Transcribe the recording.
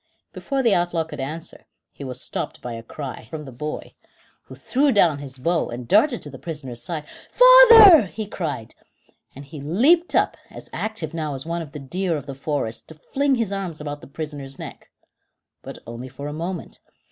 Before the outlaw could answer; he was stopped by a cry: from the boy, who threw down his bow and darted to the prisoner's side. "Father!" he cried; and he leaped up, as active now as one of the deer of the forest, to fling his arms about the prisoner's neck. But only for a moment.